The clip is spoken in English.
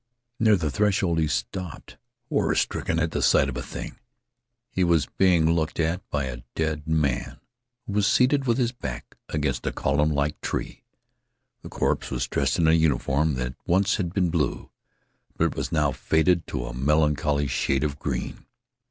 Near the threshold he stopped, horror stricken at the sight of a thing. He was being looked at by a dead man who was seated with his back against a columnlike tree. The corpse was dressed in a uniform that once had been blue, but was now faded to a melancholy shade of green.